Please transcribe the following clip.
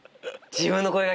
自分の声が。